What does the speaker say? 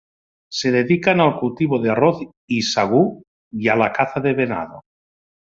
Se dedican al cultivo de arroz y sagú y a la caza del venado.